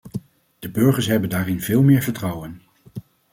De burgers hebben daarin veel meer vertrouwen.